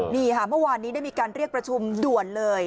นี่ค่ะเมื่อวานนี้ได้มีการเรียกประชุมด่วนเลย